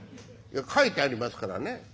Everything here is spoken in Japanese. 「いや。書いてありますからね。